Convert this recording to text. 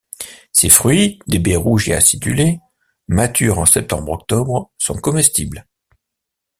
Ses fruits, des baies rouges et acidulées, matures en septembre-octobre, sont comestibles.